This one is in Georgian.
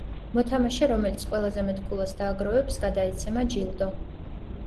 მოთამაშე რომელიც ყველაზე მეტ ქულას დააგროვებს, გადაეცემა ჯილდო.